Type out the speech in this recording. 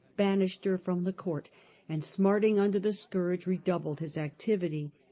banished her from the Cotirt, and smarting under the scourge redoubled his activity.